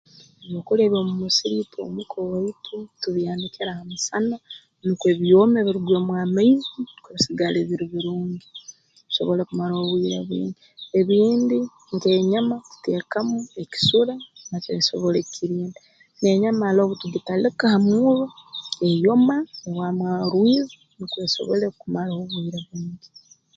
Ebyokulya eby'omu musiri itwe omuka owaitu tubyanikira ha musana nukwo byome birugwemu amaizi nukwo bisigale biri birungi bisobole kumara obwire bwingi ebindi nk'enyama tuteekamu ekisura nakyo kisobole kugirinda n'enyama tugitalika ha murro eyoma ehwamu a orwizi nukwo esobole kumara obwire bwingi